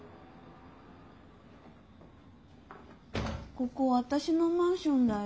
ここ私のマンションだよ。